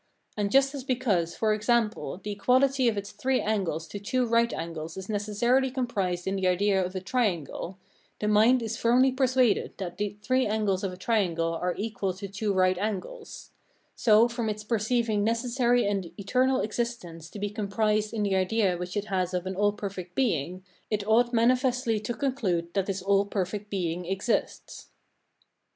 And just as because, for example, the equality of its three angles to two right angles is necessarily comprised in the idea of a triangle, the mind is firmly persuaded that the three angles of a triangle are equal to two right angles; so, from its perceiving necessary and eternal existence to be comprised in the idea which it has of an all perfect Being, it ought manifestly to conclude that this all perfect Being exists.